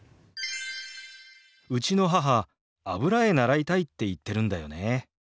うちの母油絵習いたいって言ってるんだよね。